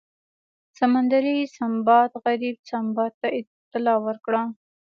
سمندري سنباد غریب سنباد ته طلا ورکړه.